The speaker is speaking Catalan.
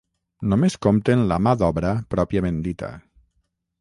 Només compten la mà d'obra pròpiament dita.